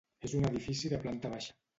És un edifici de planta baixa.